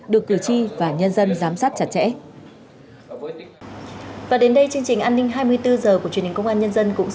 được cử tri và nhân dân giám sát chặt chẽ